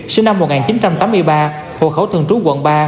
sinh năm một nghìn chín trăm tám mươi ba hộ khẩu thường trú quận ba